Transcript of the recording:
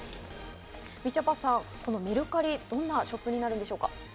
みちょぱさん、このメルカリどんな出品なんでしょうか？